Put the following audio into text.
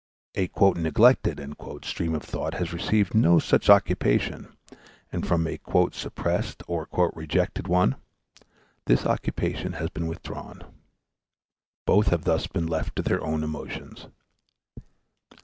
A "neglected" stream of thought has received no such occupation, and from a "suppressed" or "rejected" one this occupation has been withdrawn; both have thus been left to their own emotions.